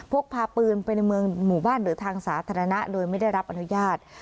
พกพาปืนไปในเมืองหมู่บ้านหรือทางสาธารณะโดยไม่ได้รับอนุญาต